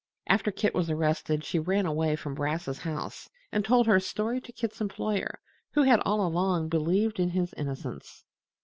After Kit was arrested she ran away from Brass's house and told her story to Kit's employer, who had all along believed in his innocence.